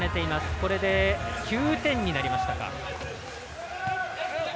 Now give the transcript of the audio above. これで、９点になりましたか。